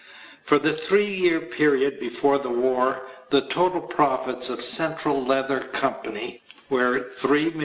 For the three year period before the war the total profits of Central Leather Company were $3,500,000.